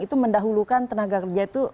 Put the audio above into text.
itu mendahulukan tenaga kerja itu